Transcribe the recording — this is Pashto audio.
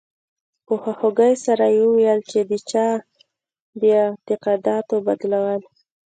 په خواخوږۍ سره یې وویل چې د چا د اعتقاداتو بدلول.